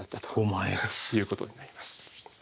いうことになります。